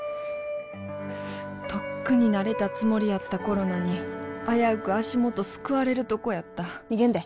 とっくに慣れたつもりやったコロナに危うく足元すくわれるとこやった逃げんで。